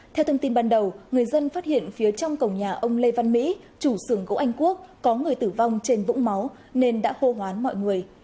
theo thông tin ban đầu người dân phát hiện phía trong cổng nhà ông lê văn mỹ chủ xưởng gỗ anh quốc có người tử vong trên vũ máu nên đã hô hoán mọi người